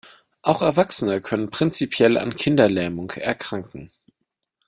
Auch Erwachsene können prinzipiell an Kinderlähmung erkranken.